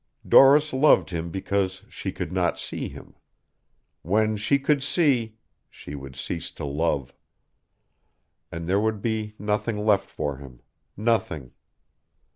Doris loved him because she could not see him. When she could see, she would cease to love. And there would be nothing left for him nothing.